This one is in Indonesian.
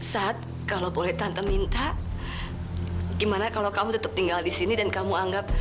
sat kalau boleh tante minta gimana kalau kamu tetap tinggal di sini dan kamu anggap